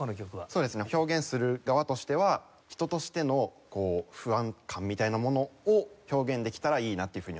そうですね表現する側としては人としての不安感みたいなものを表現できたらいいなっていうふうに思っています。